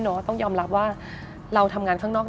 ต้องยอมรับว่าเราทำงานข้างนอก